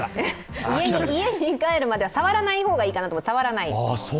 家に帰るまでは触らないほうがいいかなと思って、触らない。